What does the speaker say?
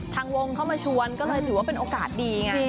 ทางวงเข้ามาชวนก็เลยถือว่าเป็นโอกาสดีไง